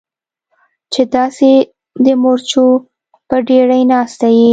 چې داسې د مرچو په ډېرۍ ناسته یې.